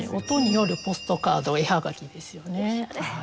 音によるポストカード絵はがきですよね。